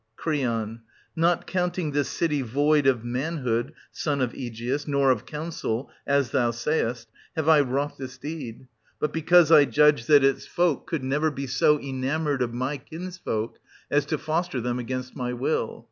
Cr. Not counting this city void of manhood, son of Aegeus, nor of counsel, — as thou sayest, — have I 940 wrought this deed ; but because I judged that its folk 96 SOPHOCLES. L942— 976 could never be so enamoured of my kinsfolk as to foster them against my will.